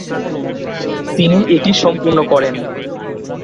তিনি এটি সম্পূর্ণ করেন।